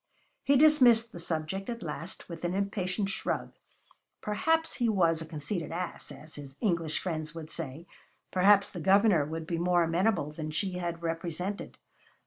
He dismissed the subject at last with an impatient shrug. Perhaps he was a conceited ass, as his English friends would say; perhaps the Governor would be more amenable than she had represented.